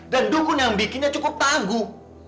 dan dukun yang bikinnya cukup tangguh